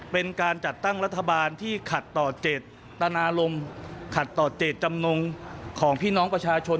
เป็นการจัดตั้งรัฐบาลที่ขัดต่อเจตนารมณ์ขัดต่อเจตจำนงของพี่น้องประชาชน